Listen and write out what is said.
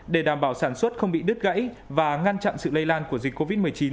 để đảm bảo sản xuất không bị đứt gãy và ngăn chặn sự lây lan của dịch covid một mươi chín